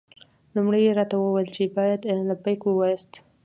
لومړی یې راته وویل چې باید لبیک ووایاست.